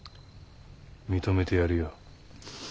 認めてやるよ。